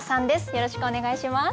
よろしくお願いします。